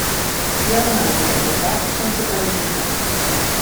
Hi ha un altre aeroport sense pavimentar.